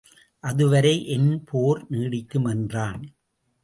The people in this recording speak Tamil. அதுவரை என் போர் நீடிக்கும் என்றான்.